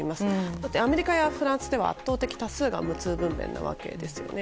だってアメリカやフランスでは圧倒的多数が無痛分娩なわけですよね。